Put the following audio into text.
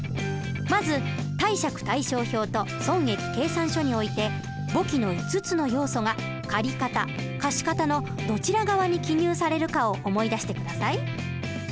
まず貸借対照表と損益計算書において簿記の５つの要素が借方貸方のどちら側に記入されるかを思い出して下さい。